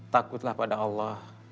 takutlah pada allah